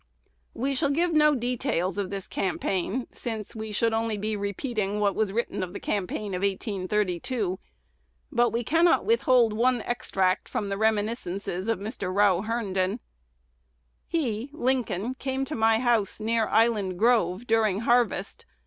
We shall give no details of this campaign, since we should only be repeating what is written of the campaign of 1832. But we cannot withhold one extract from the reminiscences of Mr. Row Herndon: "He (Lincoln) came to my house, near Island Grove, during harvest.